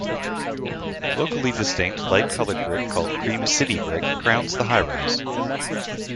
Locally distinct light colored brick called Cream City brick crowns the high-rise.